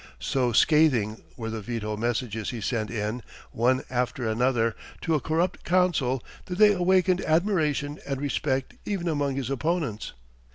So scathing were the veto messages he sent in, one after another, to a corrupt council, that they awakened admiration and respect even among his opponents.